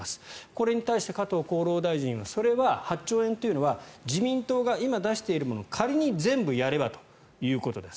これに対して加藤厚労大臣はそれは、８兆円というのは自民党が今出しているものを仮に全部やればということです。